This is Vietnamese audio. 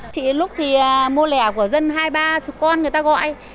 chị lúc thì mua lẻ của dân hai ba chục con người ta gọi